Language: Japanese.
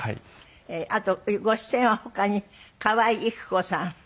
あとご出演は他に川井郁子さん。